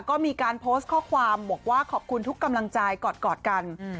ก็มีการโพสต์ข้อความบอกว่าขอบคุณทุกกำลังใจกอดกัน